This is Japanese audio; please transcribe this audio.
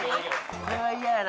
これはイヤやな。